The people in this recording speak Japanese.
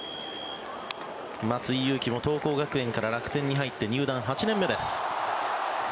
松井裕樹も桐光学園から楽天に入って入団８年目です。